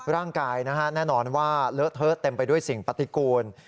ร่างกายนะฮะแน่นอนว่าเลอะเทอะเต็มไปด้วยสิ่งปฏิกูล